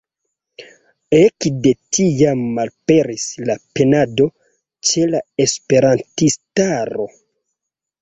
Ekde tiam malaperis la penado ĉe la esperantistaro.